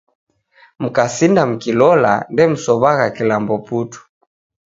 Mkasinda mkilola, ndemsow'agha kilambo putu